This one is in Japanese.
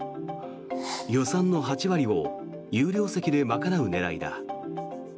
予算の８割を有料席で賄う狙いだ。